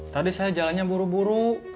tadi saya jalannya buru buru